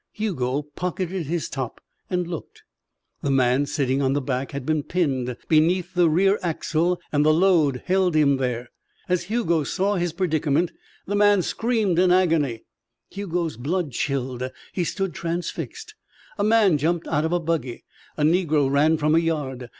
Hugo pocketed his top and looked. The man sitting on the back had been pinned beneath the rear axle, and the load held him there. As Hugo saw his predicament, the man screamed in agony. Hugo's blood chilled. He stood transfixed. A man jumped out of a buggy. A Negro ran from a yard.